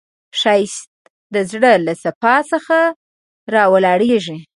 ښایست د زړه له صفا څخه راولاړیږي